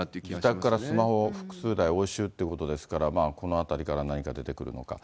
自宅からスマホ複数台押収っていうことですから、このあたりから何か出てくるのか。